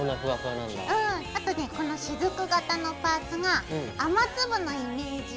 あとねこのしずく形のパーツが雨粒のイメージ。